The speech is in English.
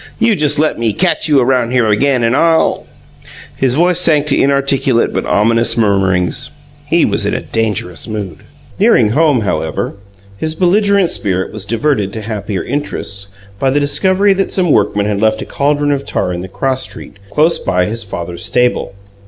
"You just let me catch you around here again and I'll " His voice sank to inarticulate but ominous murmurings. He was in a dangerous mood. Nearing home, however, his belligerent spirit was diverted to happier interests by the discovery that some workmen had left a caldron of tar in the cross street, close by his father's stable.